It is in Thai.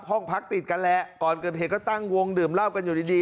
ห้องพักติดกันแหละก่อนเกิดเหตุก็ตั้งวงดื่มเหล้ากันอยู่ดีดี